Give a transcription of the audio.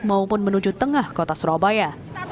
maupun menuju tengah kota surabaya